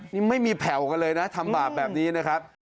นี่ไม่มีแผ่วกันเลยนะทำบาปแบบนี้นะครับ